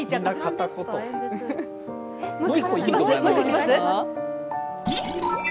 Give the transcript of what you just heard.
もう１個、いきます？